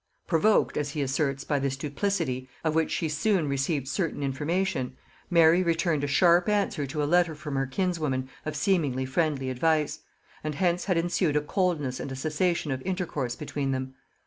Provoked, as he asserts, by this duplicity, of which she soon received certain information, Mary returned a sharp answer to a letter from her kinswoman of seemingly friendly advice, and hence had ensued a coldness and a cessation of intercourse between them.